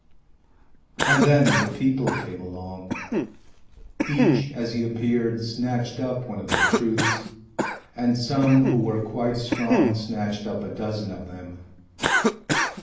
And then the people came along. Each as he appeared snatched up one of the truths and some who were quite strong snatched up a dozen of them.